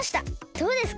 どうですか？